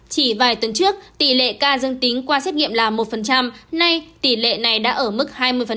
chỉ vài tuần trước tỷ lệ ca dân tính qua xét nghiệm là một nay tỷ lệ này đã ở mức hai mươi